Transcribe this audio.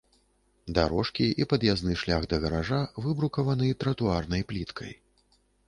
Дарожкі і пад'язны шлях да гаража выбрукаваны тратуарнай пліткай.